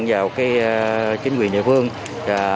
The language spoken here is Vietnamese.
vào chính quyền địa phương